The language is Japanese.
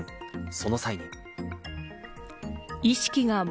その際に。